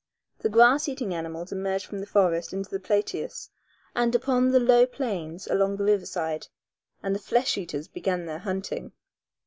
The grass eating animals emerged from the forest into the plateaus and upon the low plains along the river side and the flesh eaters began again their hunting.